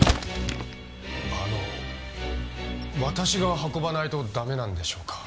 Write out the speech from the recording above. あの私が運ばないとダメなんでしょうか？